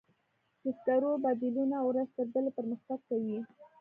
د سکرو بدیلونه ورځ تر بلې پرمختګ کوي.